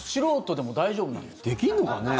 できるのかね。